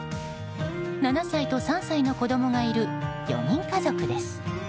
７歳と３歳の子供がいる４人家族です。